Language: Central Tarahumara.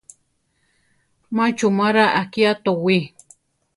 Má chumara akiá towí.